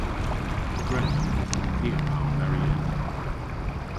Gwren. Ni a wra oberi ena.